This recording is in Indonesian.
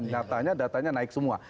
datanya datanya naik semua